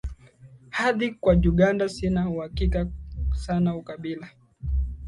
hadhi Kwa Uganda sina uhakika sana ukabila